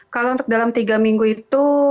kalau untuk dalam tiga minggu itu